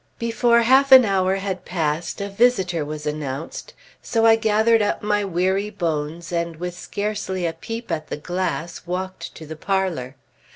Before half an hour had passed, a visitor was announced; so I gathered up my weary bones, and with scarcely a peep at the glass, walked to the parlor.